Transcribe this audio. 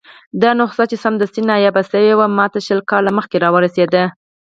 دا نسخه چې سمدستي نایابه شوې وه، ماته شل کاله مخکې راورسېده.